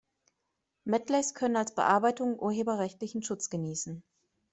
Medleys können als Bearbeitungen urheberrechtlichen Schutz genießen.